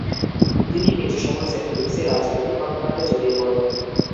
তিনি নিজ শহর সেন্ট লুইসে রাজনৈতিক কর্মকাণ্ডে জড়িয়ে পড়েন।